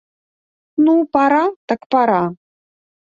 Ну пара, так пара!